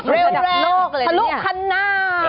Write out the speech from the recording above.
เร็วทะลุขันหน้า